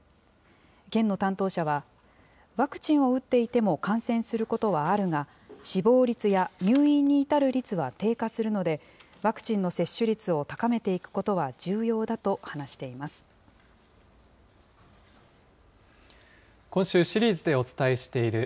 県の担当者は、ワクチンを打っていても感染することはあるが、死亡率や入院に至る率は低下するので、ワクチンの接種率を高めていくことは重要だと話しています。